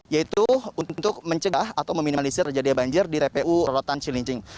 yaitu untuk mencegah atau meminimalisir jadinya banjir di tpu rorotan cilincing